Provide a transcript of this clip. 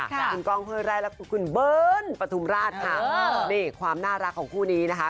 คุณก้องเฮ้ยไร่และคุณเบิ้ลปฐุมราชค่ะนี่ความน่ารักของคู่นี้นะคะ